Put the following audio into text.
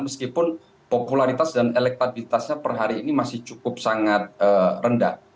meskipun popularitas dan elektabilitasnya per hari ini masih cukup sangat rendah